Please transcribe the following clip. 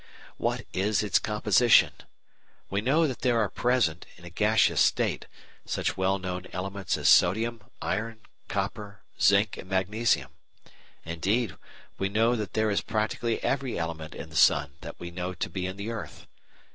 What is its composition? We know that there are present, in a gaseous state, such well known elements as sodium, iron, copper, zinc, and magnesium; indeed, we know that there is practically every element in the sun that we know to be in the earth.